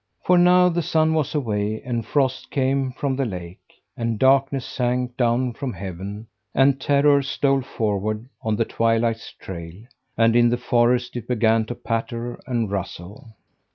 For now the sun was away and frost came from the lake, and darkness sank down from heaven, and terror stole forward on the twilight's trail, and in the forest it began to patter and rustle.